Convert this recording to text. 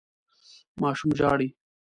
ماشوم ژاړي.